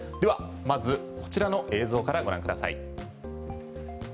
では、まずこちらの映像からご覧ください。